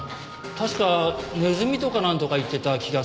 確かネズミとかなんとか言ってた気がするけどな。